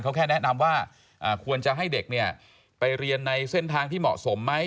เขาแค่แนะนำว่าควรจะให้เด็กเนี่ยไปเรียนในเส้นทางที่เหมาะสมไหม